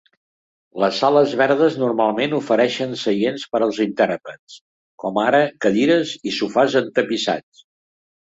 Les sales verdes normalment ofereixen seients per als intèrprets, com ara cadires i sofàs entapissats.